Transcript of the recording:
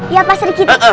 ya pak serikiti